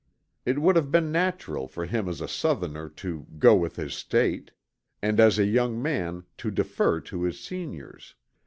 It would have been natural for him as a Southerner "to go with his State" and as a young man to defer to his seniors.